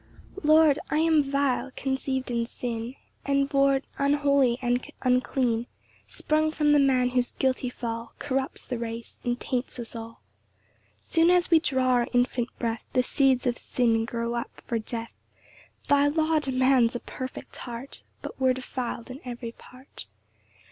1 Lord, I am vile, conceiv'd in sin; And born unholy and unclean; Sprung from the man whose guilty fall Corrupts the race, and taints us all. 2 Soon as we draw our infant breath, The seeds of sin grow up for death; Thy law demands a perfect heart, But we're defil'd in every part.